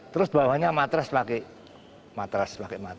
terus bawahnya matras pakai matras